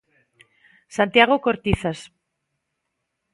Santiago Cortizas.